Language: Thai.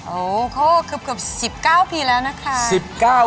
โอ้ก็เกือบ๑๙ปีแล้วนะคะ